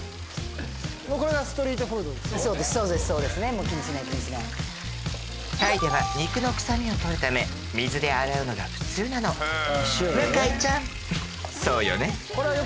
そうですね気にしない気にしないタイでは肉の臭みを取るため水で洗うのが普通なの向井ちゃんそうよね？